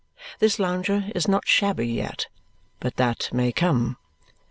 This lounger is not shabby yet, but that may come.